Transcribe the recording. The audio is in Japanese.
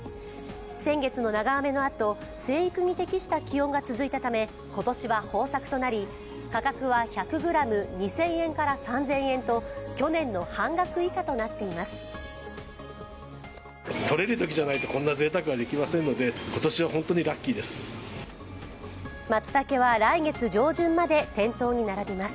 先月の長雨の後、生育に適した気温が続いたため今年は豊作となり、価格は１００ｇ２０００円から３０００円と去年の半額以下となっています。